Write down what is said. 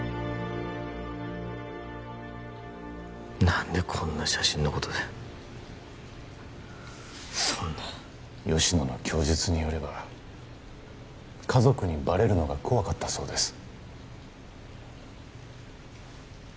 何でこんな写真のことでそんな吉乃の供述によれば家族にバレるのが怖かったそうです